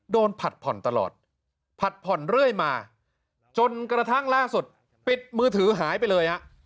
ผัดผ่อนตลอดผัดผ่อนเรื่อยมาจนกระทั่งล่าสุดปิดมือถือหายไปเลยฮะ